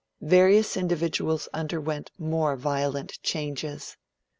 Various individuals underwent more violent changes.